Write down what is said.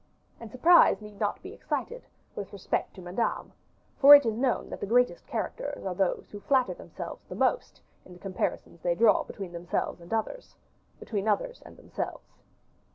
And surprise need not be excited with respect to Madame; for it is known that the greatest characters are those who flatter themselves the most in the comparisons they draw between themselves and others, between others and themselves.